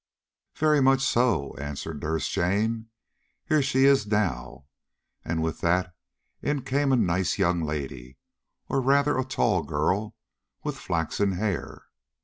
"Very much so," answered Nurse Jane. "Here she is now," and with that in came a nice young lady, or, rather, a tall girl, with flaxen hair.